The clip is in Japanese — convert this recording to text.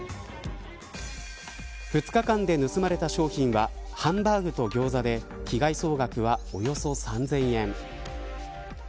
２日間で盗まれた商品はハンバーグとギョーザで被害総額はおよそ３０００円。